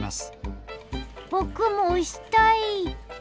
ぼくもおしたい！